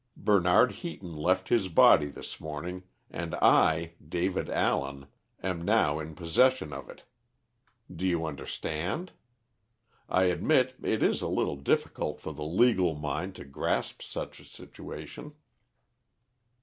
Bernard Heaton left his body this morning, and I, David Allen, am now in possession of it. Do you understand? I admit it is a little difficult for the legal mind to grasp such a situation."